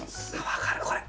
分かるこれ。